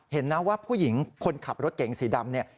เห็นนะว่าผู้หญิงคนขับรถเก๋งสีดำเนี่ย